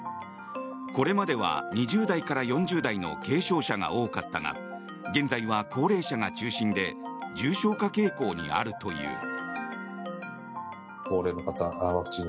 これまでは２０代から４０代の軽症者が多かったが現在は高齢者が中心で重症化傾向にあるという。